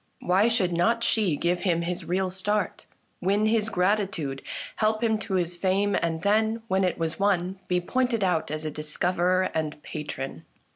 Why should not she give him his real start, win his gratitude, help him to his fame, and then, when it was won, be pointed out as a discoverer and a patron